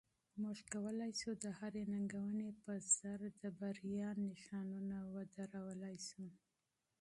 موږ کولی شو د هرې ننګونې په سر د بریا نښانونه ودرولای شو.